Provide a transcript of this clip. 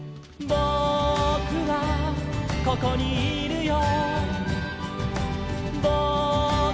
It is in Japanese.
「ぼくはここにいるよ」